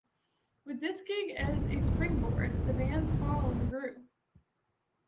With this gig as a springboard, the band's following grew.